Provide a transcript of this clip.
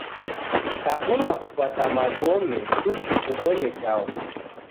Kakunda kupata magome, suti kubonye chaghu